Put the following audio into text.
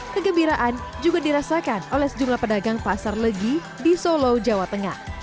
kegembiraan juga dirasakan oleh sejumlah pedagang pasar legi di solo jawa tengah